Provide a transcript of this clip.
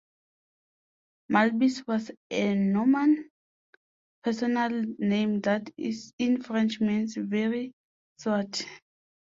Malbis was a Norman personal name that in French means "very swarthy".